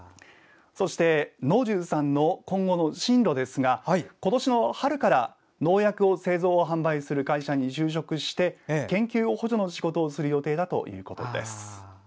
そして、能重さんの今後の進路ですが今年の春から、農薬を製造・販売する会社に就職して研究補助の仕事をする予定だということです。